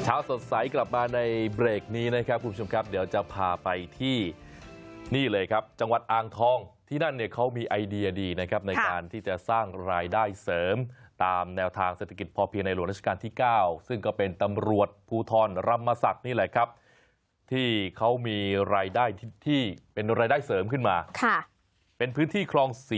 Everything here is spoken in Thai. เช้าสดใสกลับมาในเบรกนี้นะครับคุณผู้ชมครับเดี๋ยวจะพาไปที่นี่เลยครับจังหวัดอ่างทองที่นั่นเนี่ยเขามีไอเดียดีนะครับในการที่จะสร้างรายได้เสริมตามแนวทางเศรษฐกิจพอเพียงในหลวงราชการที่๙ซึ่งก็เป็นตำรวจภูทรรมศักดิ์นี่แหละครับที่เขามีรายได้ที่เป็นรายได้เสริมขึ้นมาเป็นพื้นที่คลอง๔